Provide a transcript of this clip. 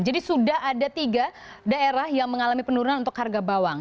jadi sudah ada tiga daerah yang mengalami penurunan untuk harga bawang